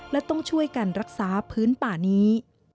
และต้องช่วยกันรักษาพื้นป่านี้